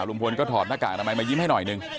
ลุงพลก็ถอดหน้ากากอนามัยมายิ้มให้หน่อยหนึ่ง